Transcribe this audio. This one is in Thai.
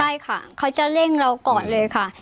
ใช่ค่ะเขาจะเร่งเราก่อนเลยค่ะ